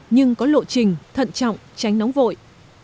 nhưng có lộ trình thận trọng tránh nóng vội